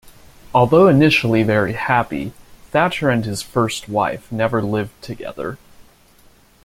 Although initially very happy, Thatcher and his first wife never lived together.